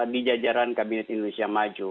di jajaran kabinet indonesia maju